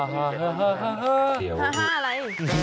ห้าอะไร